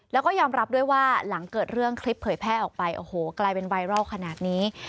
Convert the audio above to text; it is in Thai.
แล้วก็ยอมรับด้วยว่าหลังเกิดเรื่องคลิปเผยแพร่ออกไปโอ้โหกลายเป็นไวรัลขนาดนี้